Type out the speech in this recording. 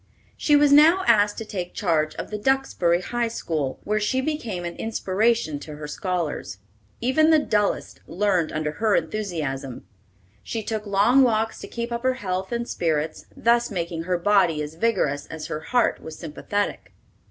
She was now asked to take charge of the Duxbury High School, where she became an inspiration to her scholars. Even the dullest learned under her enthusiasm. She took long walks to keep up her health and spirits, thus making her body as vigorous as her heart was sympathetic.